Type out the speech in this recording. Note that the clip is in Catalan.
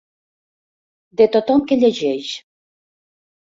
De tothom que llegeix.